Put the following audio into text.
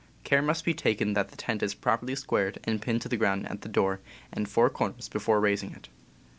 Care must be taken that the tent is properly squared and pinned to the ground at the door and four corners before raising it.